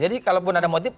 jadi kalau pun ada motif